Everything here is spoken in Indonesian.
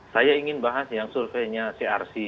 saya ingin bahas yang surveinya crc